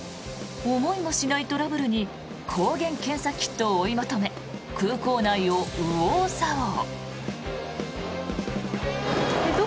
思いもしないトラブルに抗原検査キットを追い求め空港内を右往左往。